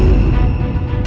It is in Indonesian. ini salah nino